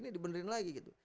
ini dibenerin lagi gitu